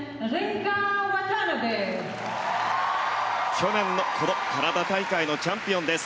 去年の、このカナダ大会のチャンピオンです。